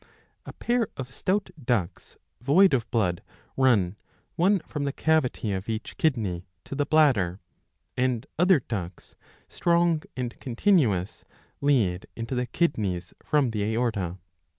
A pair of stout ducts, void of blood, run, one from the cavity of each kidney, to the bladder; and other ducts, strong and continuous, lead into the kidneys from the aorta.